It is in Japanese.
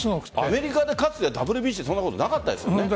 アメリカでＷＢＣそんなことなかったよね。